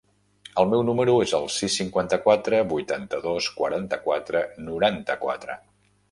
El meu número es el sis, cinquanta-quatre, vuitanta-dos, quaranta-quatre, noranta-quatre.